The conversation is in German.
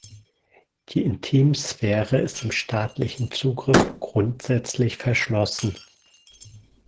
Die Intimsphäre ist dem staatlichen Zugriff grundsätzlich verschlossen.